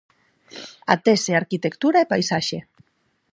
A tese Arquitectura e paisaxe.